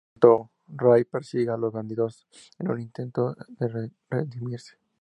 Mientras tanto, Ray persigue a los bandidos en un intento de redimirse.